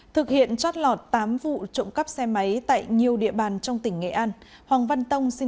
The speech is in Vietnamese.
thực hiện trót lọt tám vụ trộm cắp xe máy tại nhiều địa bàn trong tỉnh nghệ an hoàng văn tông sinh